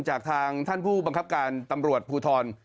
จากทางท่านผู้บังคับการตำรวจภูทร